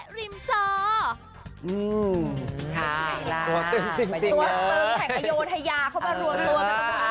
ตัวเต็มแห่งอยวทยาเข้ามารวมตัวกันตรงนี้แหละ